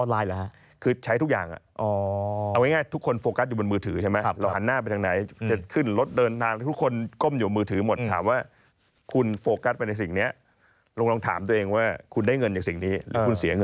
กับอีกคนนึงใช้แล้วได้เงิน